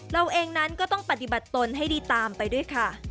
เราเองนั้นก็ต้องปฏิบัติตนให้ดีตามไปด้วยค่ะ